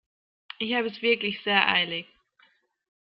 Ich habe es wirklich sehr eilig.